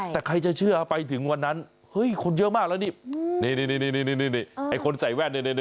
แต่ใครจะเชื่อไปถึงวันนั้นเฮ้ยคนเยอะมากแล้วนี่ไอ้คนใส่แว่น